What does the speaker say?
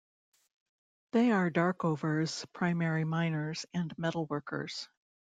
They are Darkover's primary miners and metalworkers.